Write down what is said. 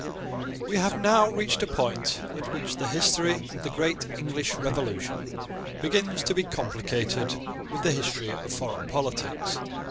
We have now reached a point at which the history of the great English revolution begins to be complicated with the history of foreign politics.